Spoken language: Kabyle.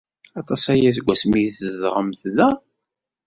Aṭas aya seg wasmi ay tzedɣemt da?